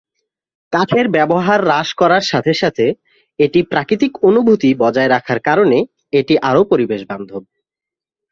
কাঠের ব্যবহার হ্রাস করার সাথে সাথে এটি প্রাকৃতিক অনুভূতি বজায় রাখার কারণে এটি আরও পরিবেশ বান্ধব।